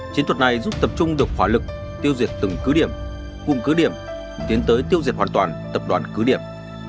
chiến thuật này giúp tập trung được hỏa lực tiêu diệt từng cứ điểm cùng cứ điểm tiến tới tiêu diệt hoàn toàn tập đoàn cứ điểm